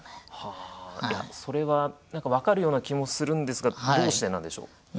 いやそれは何か分かるような気もするんですがどうしてなんでしょう？